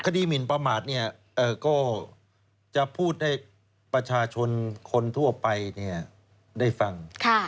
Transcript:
หมินประมาทก็จะพูดให้ประชาชนคนทั่วไปได้ฟัง